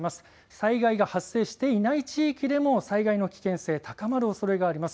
災害が発生していない地域でも災害の危険性、高まるおそれがあります。